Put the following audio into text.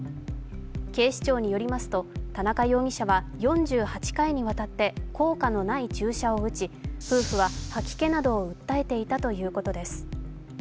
警視庁によりますと、田中容疑者は４８回にわたって効果のない注射を打ち、夫婦は吐き気などを訴えていたということです。